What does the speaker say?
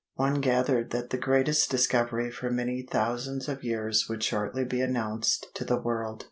One gathered that the greatest discovery for many thousands of years would shortly be announced to the world.